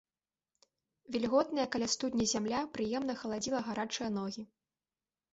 Вільготная каля студні зямля прыемна халадзіла гарачыя ногі.